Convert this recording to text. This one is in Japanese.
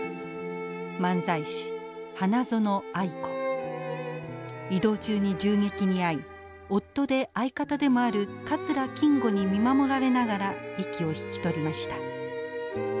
漫才師移動中に銃撃に遭い夫で相方でもある桂金吾に見守られながら息を引き取りました。